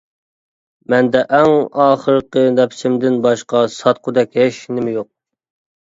مەندە ئەڭ ئاخىرقى نەپىسىمدىن باشقا ساتقۇدەك ھېچنېمە يوق.